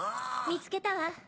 見つけたわ。